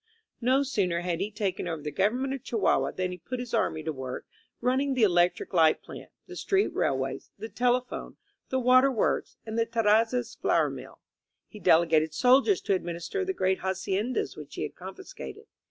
No sooner had he taken over the government of Chihuahua than he put his army to work running the electric light plant, the street railways, the telephone, the water works and the Terrazzas flour mill. He delegated soldiers to administer the great haciendas which he had confiscated.